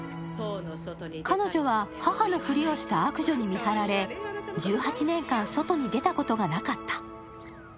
彼女は母の振りをした悪女に見張られ１８年間、外に出たことがなかった。